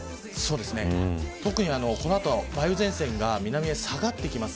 特にこの後、梅雨前線が南へ下がってきます。